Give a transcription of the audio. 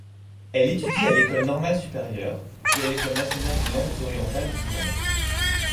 Elle étudie à l'École normale supérieure, puis à l'École nationale des langues orientales vivantes.